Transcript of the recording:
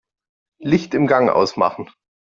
Licht im Gang ausmachen.